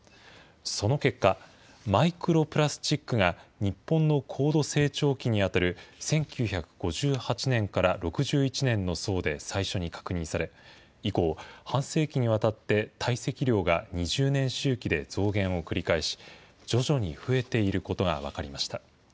その結果、マイクロプラスチックが日本の高度成長期に当たる１９５８年から６１年の層で最初に確認され、以降、半世紀にわたって堆積量が２０年周期で増減を繰り返し、徐々に増えていることが分かりました。